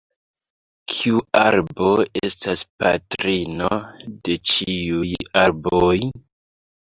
Kiu arbo estas patrino de ĉiuj arboj?